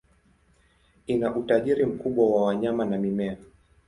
Ina utajiri mkubwa wa wanyama na mimea.